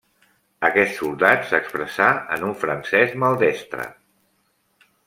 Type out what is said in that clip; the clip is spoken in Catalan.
Aquest soldat s'expressà en un francès maldestre.